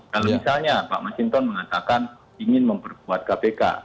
kalau misalnya pak masinton mengatakan ingin memperkuat kpk